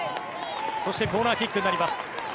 そしてコーナーキックになります。